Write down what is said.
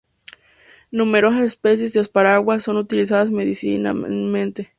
Numerosas especies de "Asparagus" son utilizadas medicinalmente.